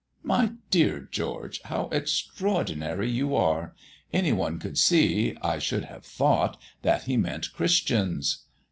"My dear George! How extraordinary you are! Any one could see, I should have thought, that he meant Christians."